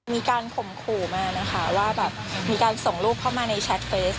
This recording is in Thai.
มีการข่มขู่มานะคะว่าแบบมีการส่งรูปเข้ามาในแชทเฟส